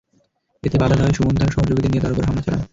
এতে বাধা দেওয়ায় সুমন তাঁর সহযোগীদের নিয়ে তাঁর ওপর হামলা চালান।